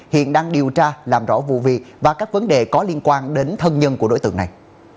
hiện đang điều tra làm rõ vụ việc và các vấn đề có liên quan đến thân nhân của đối tượng này